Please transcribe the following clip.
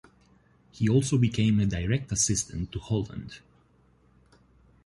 He also became a direct assistant to Holland.